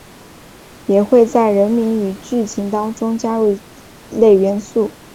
也会在人名与剧情当中加入这一类元素。